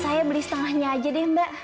mbak tolong beli setengahnya aja deh mbak